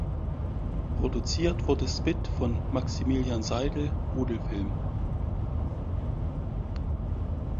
Produziert wurde "Spit" von Maximilian Seidel (Rudel Film).